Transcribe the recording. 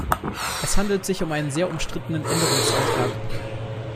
Es handelte sich um einen sehr umstrittenen Änderungsantrag.